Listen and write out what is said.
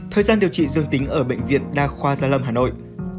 thời gian điều trị dương tính ở bệnh viện đa khoa gia lâm hà nội